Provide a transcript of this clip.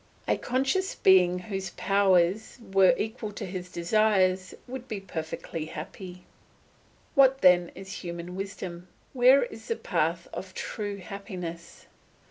A conscious being whose powers were equal to his desires would be perfectly happy. What then is human wisdom? Where is the path of true happiness?